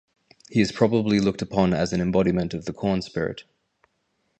He is probably looked upon as an embodiment of the corn-spirit.